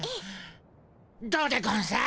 どうでゴンス？